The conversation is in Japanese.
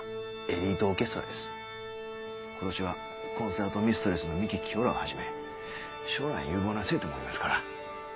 今年はコンサートミストレスの三木清良をはじめ将来有望な生徒もおりますから。